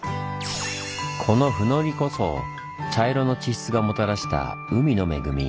この「ふのり」こそ茶色の地質がもたらした海の恵み。